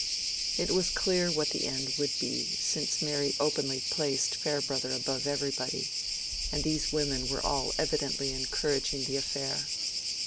It was clear what the end would be, since Mary openly placed Farebrother above everybody, and these women were all evidently encouraging the affair.